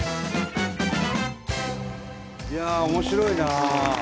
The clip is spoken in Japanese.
いや面白いな。